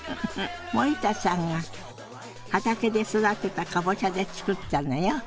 森田さんが畑で育てたかぼちゃで作ったのよ。